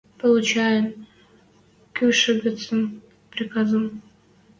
Получаен кӱшӹцӹн приказым: